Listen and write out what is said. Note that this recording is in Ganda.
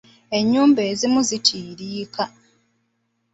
Ennyumba ezimu zitiiriika.